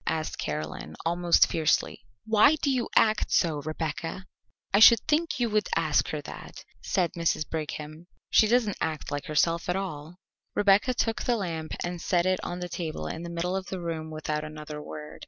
asked Caroline, almost fiercely. "Why do you act so, Rebecca?" "I should think you would ask her that," said Mrs. Brigham. "She doesn't act like herself at all." Rebecca took the lamp and set it on the table in the middle of the room without another word.